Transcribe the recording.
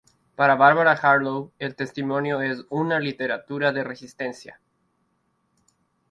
Para Bárbara Harlow el testimonio es "una literatura de resistencia".